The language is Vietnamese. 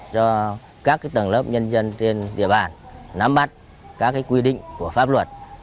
cho các tầng lớp nhân dân trên địa bàn nắm bắt các quy định của pháp luật